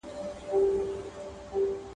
موږ باید د ټولنیزو بدلونونو علتونه پیدا کړو.